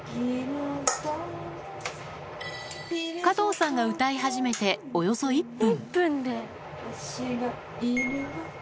加藤さんが歌い始めておよそ１分。